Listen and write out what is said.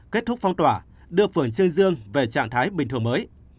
kết thúc phong tỏa đưa phường chê dương về trạng thái bình thường mới